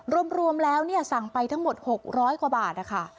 รวมรวมแล้วเนี่ยสั่งไปทั้งหมดหกร้อยกว่าบาทอ่ะค่ะ